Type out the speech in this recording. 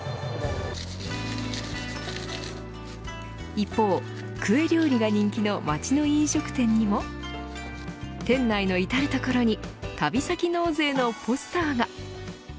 一方、クエ料理が人気の町の飲食店にも店内の至る所に旅先納税のポスターが。